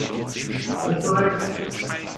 Alles korrekt.